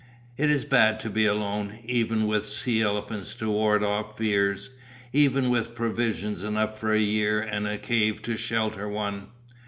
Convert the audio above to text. It is bad to be alone, even with sea elephants to ward off fears, even with provisions enough for a year and a cave to shelter one.